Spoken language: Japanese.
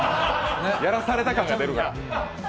やらされた感が出るから。